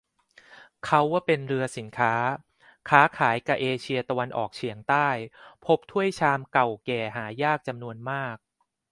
เขาว่าเป็นเรือสินค้า ค้าขายกะเอเชียตะวันออกเฉียงใต้ พบถ้วยชามเก่าแก่หายากจำนวนมาก